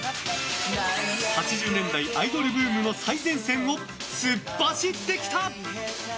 ８０年代アイドルブームの最前線を突っ走ってきた。